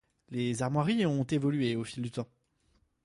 Les armoiries ont évolué au fil du temps.